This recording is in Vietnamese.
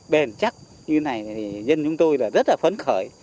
bền chắc như thế này thì dân chúng tôi rất là phấn khởi